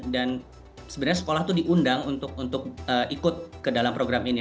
dan sebenarnya sekolah itu diundang untuk ikut ke dalam program ini